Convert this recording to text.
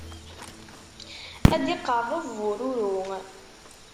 ad d-iqerreb bururu.